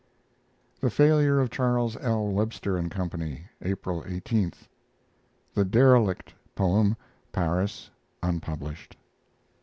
The failure of Charles L. Webster & Co., April 18. THE DERELICT poem (Paris) (unpublished).